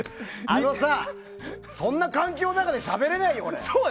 あのさ、そんな環境の中でしゃべれないよ、俺。